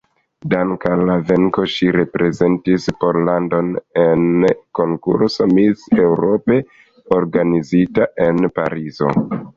Danke al la venko ŝi reprezentis Pollandon en konkurso Miss Europe organizata en Parizo.